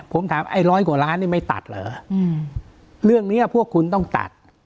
ผมถามไอ้ร้อยกว่าล้านนี่ไม่ตัดเหรอเรื่องนี้พวกคุณต้องตัด